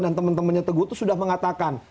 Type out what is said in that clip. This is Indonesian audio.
dan temen temennya teguh itu sudah mengatakan